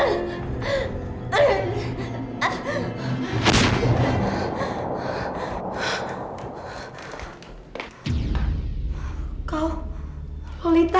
oh itu tak maksimal gitu